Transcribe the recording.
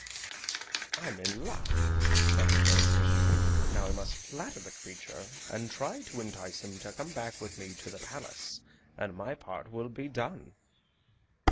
"I'm in luck!" thought the jelly fish. "Now I must flatter the creature and try to entice him to come back with me to the Palace, and my part will be done!"